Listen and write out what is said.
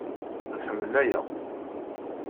Nḥemmel aya.